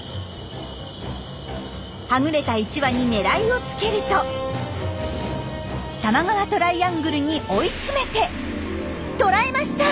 はぐれた１羽に狙いをつけると多摩川トライアングルに追い詰めて捕らえました！